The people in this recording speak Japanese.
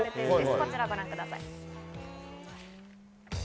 こちらをご覧ください。